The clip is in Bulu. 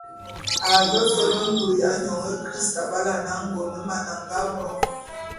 A ve fe be ngule ya nyôn christ avale ane Angoneman a nga bo.